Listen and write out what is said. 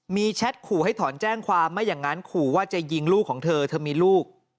มีแชทขู่ให้ถอนแจ้งความไม่อย่างนั้นขู่ว่าจะยิงลูกของเธอเธอมีลูก